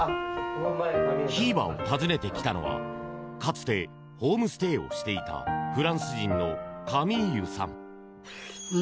ひーばを訪ねてきたのはかつて、ホームステイをしていたフランス人のカミーユさん。